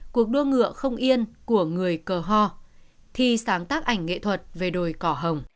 cuộc đua ngựa không yên của người cờ ho thi sáng tác ảnh nghệ thuật về đồi cỏ hồng